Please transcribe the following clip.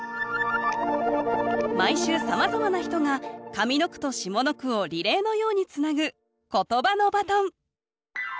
毎週さまざまな人が上の句と下の句をリレーのようにつなぐ「ことばのバトン」。